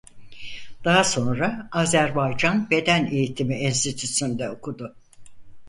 Daha sonra Azerbaycan Beden Eğitimi Enstitüsünde okudu.